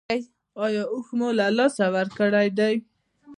ایا هوښ مو له لاسه ورکړی دی؟